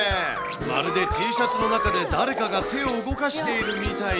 まるでＴシャツの中で誰かが手を動かしているみたい。